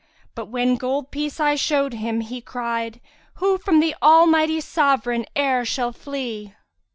But when gold piece I showed him, he cried, * 'Who from the Almighty Sovereign e'er shall flee?'"